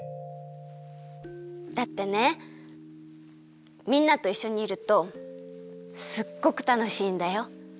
だってねみんなといっしょにいるとすっごくたのしいんだよ。